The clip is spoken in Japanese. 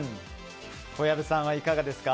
小籔さんはいかがですか？